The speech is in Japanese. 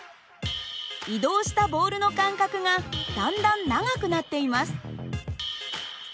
移動したボールの間隔がだんだん長くなっています。